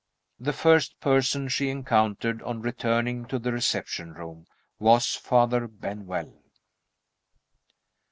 The first person she encountered, on returning to the reception room, was Father Benwell.